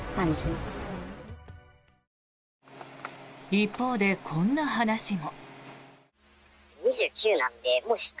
一方で、こんな話も。